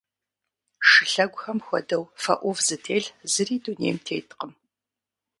Шылъэгухэм хуэдэу фэ ӏув зытелъ зыри дунейм теткъым.